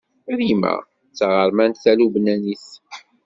Rima d taɣermant talubnanit.